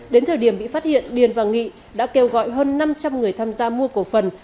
đến thời điểm bị phát hiện điền và nghị đã kêu gọi hơn năm trăm linh người tham gia mua cổ phần